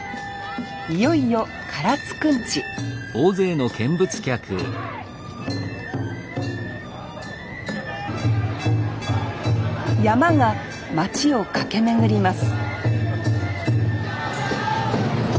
いよいよ唐津くんち曳山が町を駆け巡ります